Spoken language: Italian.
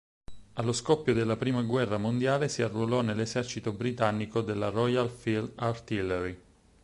Allo scoppio della prima guerra mondiale si arruolò nell'esercito britannico nella Royal Field Artillery.